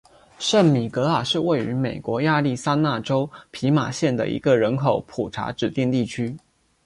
圣米格尔是位于美国亚利桑那州皮马县的一个人口普查指定地区。